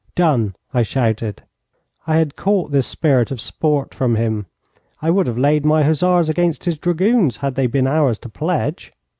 'Done!' I shouted. I had caught this spirit of sport from him. I would have laid my hussars against his dragoons had they been ours to pledge.